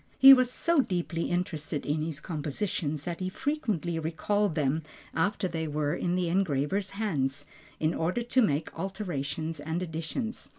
He was so deeply interested in his compositions that he frequently recalled them after they were in the engraver's hands, in order to make alterations and additions.